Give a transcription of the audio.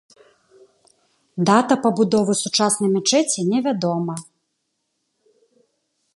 Дата пабудовы сучаснай мячэці не вядома.